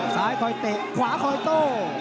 ซ้ายคอยเตะขวาคอยโต้